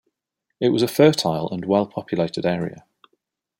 It was a fertile and well populated area.